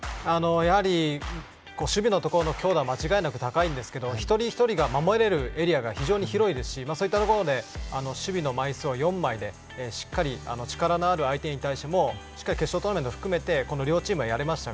やはり守備のところの強度は間違いなく高いんですけれど一人一人が守れるエリアが非常に広いですしそういったところで守備の枚数を４枚でしっかり力のある相手に対してもしっかり決勝トーナメント含めて両チームやれました。